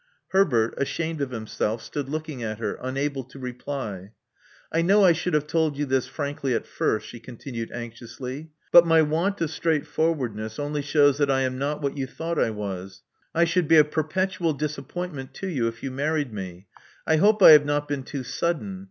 Herbert, ashamed of himself, stood looking at her, unable to reply. I know I should have told you this frankly at first," she continued anxiously. '*But my want of straight Love Among the Artists 215 forwardness only shows that I am not what yon thought I was. I should be a perpetual disappointment to you if you married me. I hope I have not been too sudden.